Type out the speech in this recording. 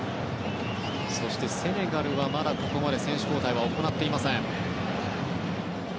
セネガルはまだここまで選手交代は行っていません。